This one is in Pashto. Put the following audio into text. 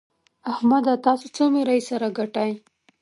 احمده! تاسو څه ميرۍ سره ګټئ؟!